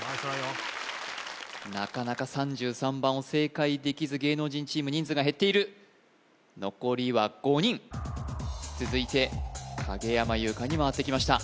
なかなか３３番を正解できず芸能人チーム人数が減っている残りは５人続いて影山優佳に回ってきました